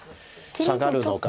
サガるのか。